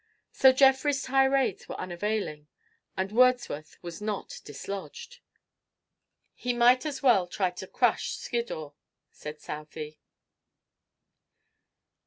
So Jeffrey's tirades were unavailing, and Wordsworth was not dislodged. "He might as well try to crush Skiddaw," said Southey.